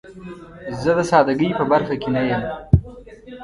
زه د سادګۍ په برخه کې نه یم.